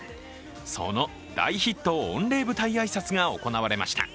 その大ヒット御礼舞台挨拶が行われました。